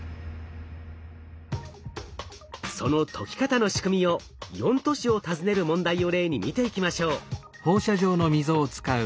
その解き方の仕組みを４都市を訪ねる問題を例に見ていきましょう。